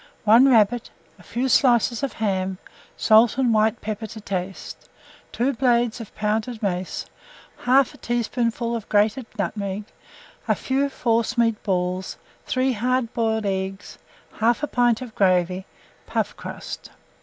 1 rabbit, a few slices of ham, salt and white pepper to taste, 2 blades of pounded mace, 1/2 teaspoonful of grated nutmeg, a few forcemeat balls, 3 hard boiled eggs, 1/2 pint of gravy, puff crust.